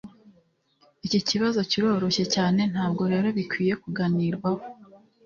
Iki kibazo kiroroshye cyane ntabwo rero bikwiye kuganirwaho